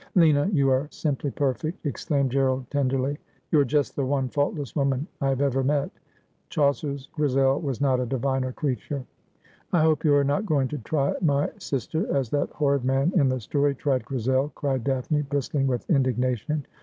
' Lnia, you are simply perfect !' exclaimed Gerald tenderly. 'You are just the one faultless woman I have ever met. Chau cer's G risel was not a diviner creature.' ' I liope you are not going to try my sister as that horrid man in the story tried Grisel,' cried Daphne, bristling with indigna tion.